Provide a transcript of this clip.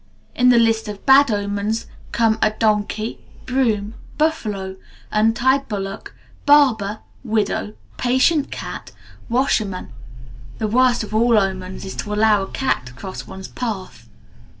In the list of bad omens come a donkey, broom, buffalo, untied bullock, barber, widow, patient, cat, washerman. The worst of all omens is to allow a cat to cross one's path.